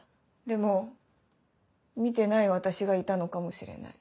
でも見てない私がいたのかもしれない。